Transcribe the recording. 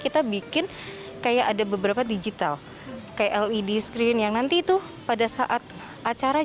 kita bikin kayak ada beberapa digital kayak led screen yang nanti tuh pada saat acara